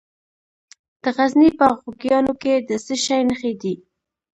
د غزني په خوږیاڼو کې د څه شي نښې دي؟